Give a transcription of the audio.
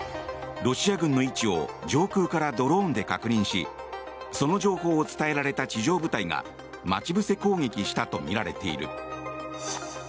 ロシア軍の位置を上空からドローンで確認しその情報を伝えられた地上部隊が待ち伏せ攻撃したとみられている。